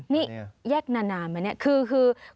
นี่แยกนานไหมเนี่ยคือ